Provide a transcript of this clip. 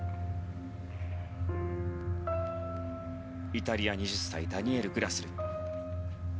イタリア、２０歳ダニエル・グラスル。